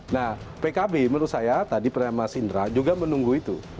nah pkb menurut saya tadi mas indra juga menunggu itu